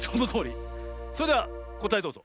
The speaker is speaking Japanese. それではこたえどうぞ。